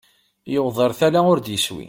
Yewweḍ ar tala ur d-iswi.